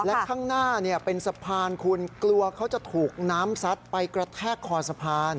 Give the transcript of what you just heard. และข้างหน้าเป็นสะพานคุณกลัวเขาจะถูกน้ำซัดไปกระแทกคอสะพาน